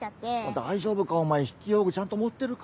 大丈夫かお前筆記用具ちゃんと持ってるか？